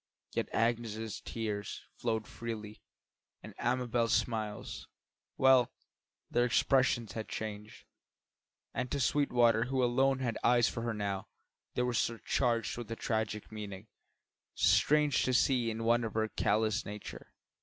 Yet Agnes's tears flowed freely, and Amabel's smiles well, their expression had changed; and to Sweetwater, who alone had eyes for her now, they were surcharged with a tragic meaning, strange to see in one of her callous nature.